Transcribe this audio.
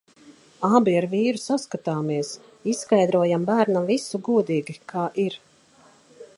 Abi ar vīru saskatāmies. Izskaidrojam bērnam visu godīgi, kā ir.